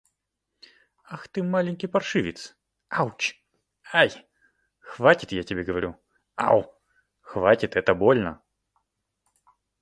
Ах ты, маленький паршивец. Ауч! Ай! Хватит, я тебе говорю! Ау! Хватит, это больно!